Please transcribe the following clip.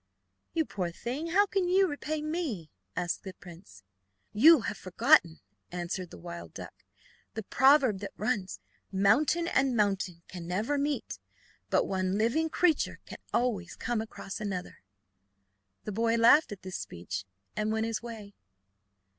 "You poor thing! how can you repay me?" asked the prince. "You have forgotten," answered the wild duck, "the proverb that runs, 'mountain and mountain can never meet, but one living creature can always come across another.'" The boy laughed at this speech and went his way.